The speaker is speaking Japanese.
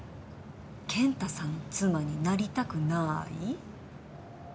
健太さんの妻になりたくない？